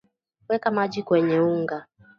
weka maji kwenye unga